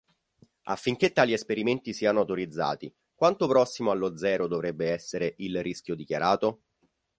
Affinché tali esperimenti siano autorizzati, quanto prossimo allo zero dovrebbe essere il rischio dichiarato?